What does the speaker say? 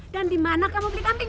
dan dimana kamu beli kambing